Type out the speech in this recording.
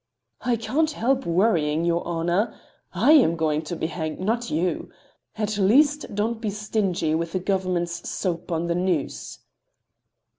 "I can't help worrying, your Honor. I am going to be hanged, not you. At least don't be stingy with the government's soap on the noose."